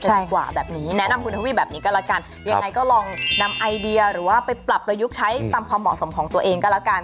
ดีกว่าแบบนี้แนะนำคุณทวีปแบบนี้ก็แล้วกันยังไงก็ลองนำไอเดียหรือว่าไปปรับประยุกต์ใช้ตามความเหมาะสมของตัวเองก็แล้วกัน